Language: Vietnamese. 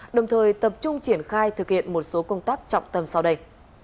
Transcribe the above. đồng thời tập trung triển khai thực hiện một số công tác trọng tâm sau đây